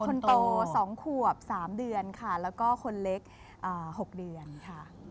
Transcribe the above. คนโต๒ขวบ๓เดือนค่ะแล้วก็คนเล็ก๖เดือนค่ะ